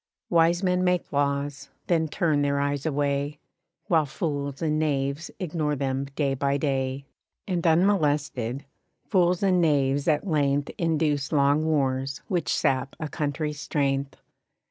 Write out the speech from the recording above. Wise men make laws, then turn their eyes away, While fools and knaves ignore them day by day; And unmolested, fools and knaves at length Induce long wars which sap a country's strength.